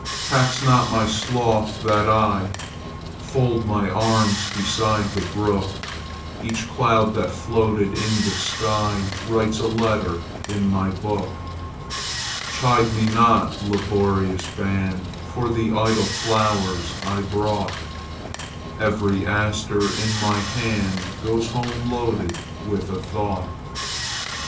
Tax not my sloth that IFold my arms beside the brook; Each cloud that floated in the skyWrites a letter in my book. Chide me not, laborious band, For the idle flowers I brought; Every aster in my handGoes home loaded with a thought.